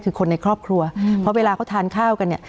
คือคนในครอบครัวเพราะเวลาเขาทานข้าวกันเนี่ย